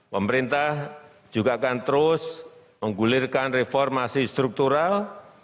pemerintah juga akan terus menggulirkan reformasi struktural